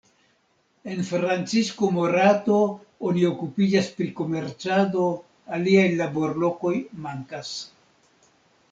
En Francisco Morato oni okupiĝas pri komercado, aliaj laborlokoj mankas.